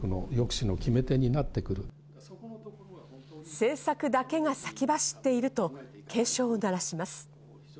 政策だけが先走っていると警鐘を鳴らします。